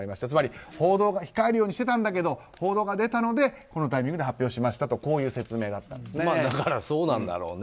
つまり控えるようにしてたんだけど報道が出たのでこのタイミングで発表しましたという説明だったんですね。